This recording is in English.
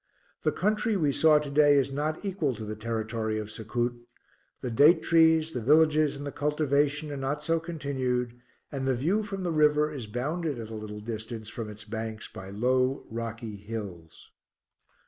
The country we saw to day is not equal to the territory of Succoot; the date trees, the villages, and the cultivation are not so continued; and the view from the river is bounded at a little distance from its banks by low rocky hills.